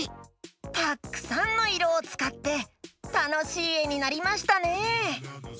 たっくさんのいろをつかってたのしいえになりましたね。